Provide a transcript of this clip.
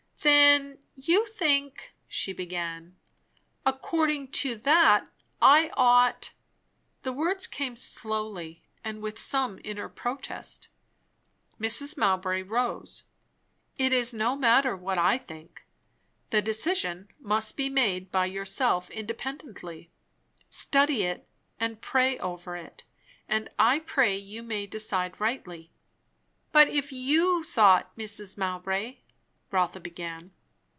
"Then you think " she began, "according to that I ought " The words came slowly and with some inner protest. Mrs. Mowbray rose. "It is no matter what I think. The decision must be made by yourself independently. Study it, and pray over it; and I pray you may decide rightly." "But if you thought, Mrs. Mowbray " Rotha began.